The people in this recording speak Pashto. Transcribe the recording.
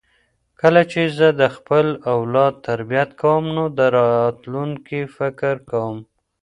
کله چې زه د خپل اولاد تربیت کوم نو د راتلونکي فکر کوم.